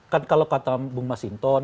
kan kalau kata bung mas hinton